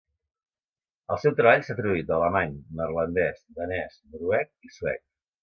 El seu treball s'ha traduït a alemany, neerlandès, danès, noruec i suec.